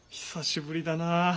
久しぶりだなあ。